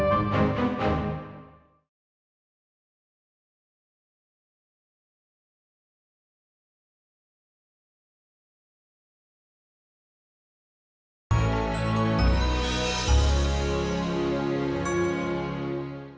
tidak ada apa apa